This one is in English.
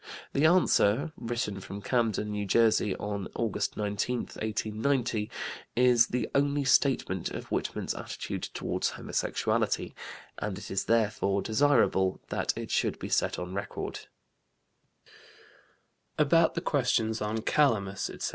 The answer (written from Camden, N.J., on August 19, 1890) is the only statement of Whitman's attitude toward homosexuality, and it is therefore desirable that it should be set on record: "About the questions on 'Calamus,' etc.